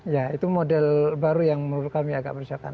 ya itu model baru yang menurut kami agak merusakkan